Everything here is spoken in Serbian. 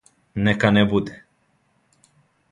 Нека не буде.